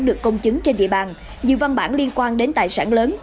được công chứng trên địa bàn nhiều văn bản liên quan đến tài sản lớn